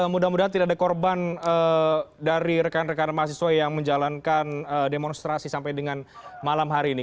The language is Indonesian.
mudah mudahan tidak ada korban dari rekan rekan mahasiswa yang menjalankan demonstrasi sampai dengan malam hari ini